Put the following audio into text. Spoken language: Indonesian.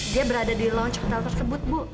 dia berada di launch hotel tersebut bu